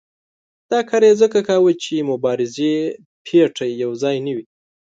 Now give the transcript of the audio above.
دا کار یې ځکه کاوه چې مبارزې پېټی یو ځای نه وي.